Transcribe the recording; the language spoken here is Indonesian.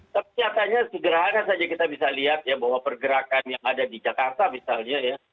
tapi nyatanya sederhana saja kita bisa lihat ya bahwa pergerakan yang ada di jakarta misalnya ya